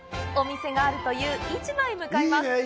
お店があるという市場へ向かいます！